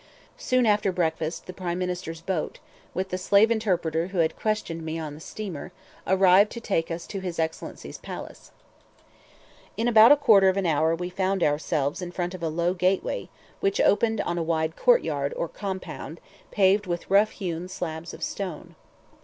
Soon after breakfast the Prime Minister's boat, with the slave interpreter who had questioned me on the steamer, arrived to take us to his Excellency's palace. [Illustration: THE PRIME MINISTER.] In about a quarter of an hour we found ourselves in front of a low gateway, which opened on a wide courtyard, or "compound," paved with rough hewn slabs of stone.